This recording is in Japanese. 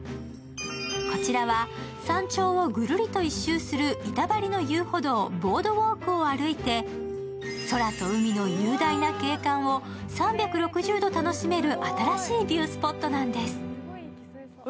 こちらは山頂をぐるりと一周する板張りの遊歩道ボードウォークを歩いて、空と海の雄大な景観を３６０度楽しめる新しいビュースポットなんです。